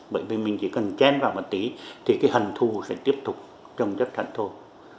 bởi vì mình chỉ cần chen vào một tí thì cái hần thù sẽ tiếp tục trong chấp thận thôi